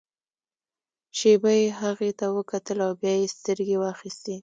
شېبه يې هغې ته وکتل او بيا يې سترګې واخيستې.